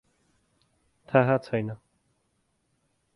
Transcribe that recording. थाहा छैन ।